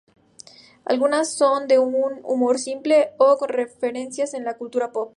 Algunas son de un humor simple o con referencias a la cultura pop.